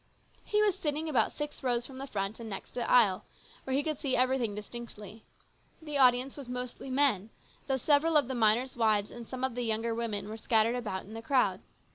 He was sitting about six rows from the front and next to the aisle, where he could see everything distinctly. The audience was mostly men, though several of the miners' wives and some of the younger women were scattered about in the crowd.